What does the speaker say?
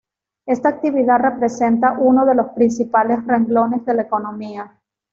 Esta actividad representa uno de los principales renglones de la economía.